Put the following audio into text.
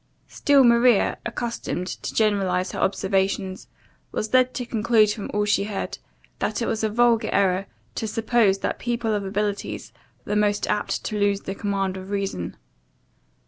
Still Maria, accustomed to generalize her observations, was led to conclude from all she heard, that it was a vulgar error to suppose that people of abilities were the most apt to lose the command of reason.